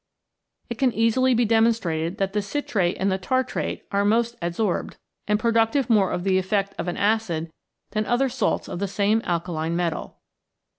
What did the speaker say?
It can easily be demonstrated that the citrate and the tartrate are most adsorbed and productive more of the effect of an acid than other salts of the same alkaline metal.